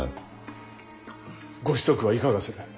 ご子息はいかがする？